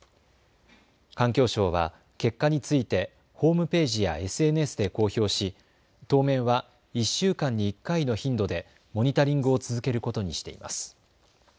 環境省は結果についてホームページやＳＮＳで公表し当面は１週間に１回の頻度でモニタリングを続けることにしています。